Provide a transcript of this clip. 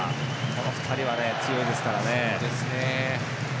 この２人は、強いですからね。